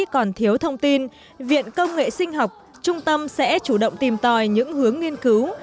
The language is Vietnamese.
còn thiếu thông tin viện công nghệ sinh học trung tâm sẽ chủ động tìm tòi những hướng nghiên cứu